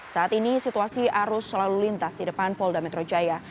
saat ini situasi arus selalu lintas di depan polda metro jaya